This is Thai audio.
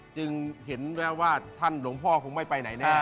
จึงเห็นแววว่าท่านหลวงพ่อคงไม่ไปไหนแน่